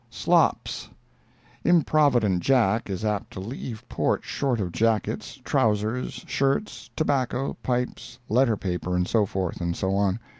"Slops"—Improvident Jack is apt to leave port short of jackets, trousers, shirts, tobacco, pipes, letter paper, and so forth and so on.